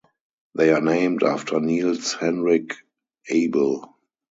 They are named after Niels Henrik Abel.